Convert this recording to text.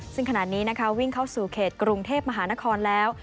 ซึ่งขณะนี้นะคะวิ่งเข้าสู่เขตกรุงเทพมหานครแล้ว